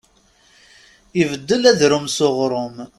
Ibeddel adrum s uɣrum.